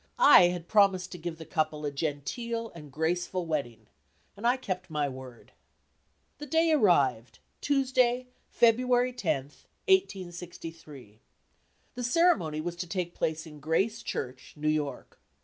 I had promised to give the couple a genteel and graceful wedding, and I kept my word. The day arrived, Tuesday, February 10, 1863. The ceremony was to take place in Grace Church, New York.